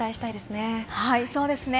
そうですね。